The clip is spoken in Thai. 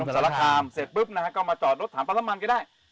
พอทำเสร็จปุ๊บก็มาจอดรถถามพระมันต์ได้